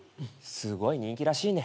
すごい人気らしいね。